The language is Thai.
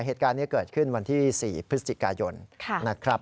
เหตุการณ์นี้เกิดขึ้นวันที่๔พฤศจิกายนนะครับ